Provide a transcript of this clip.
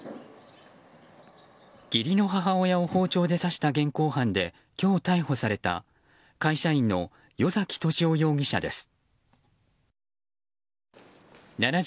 義理の母親を包丁で刺した現行犯で今日、逮捕された会社員の与崎利夫容疑者です。